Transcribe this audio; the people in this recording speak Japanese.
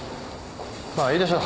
まあいいでしょう。